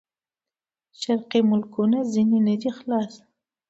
شرقي ملکونه ځنې نه دي خلاص.